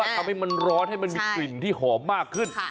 ทำให้มันร้อนให้มันมีกลิ่นที่หอมมากขึ้น